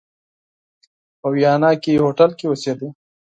په ویانا کې هوټل کې اوسېدی.